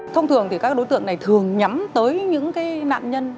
thông thường thì các đối tượng này thường nhắm tới những nạn nhân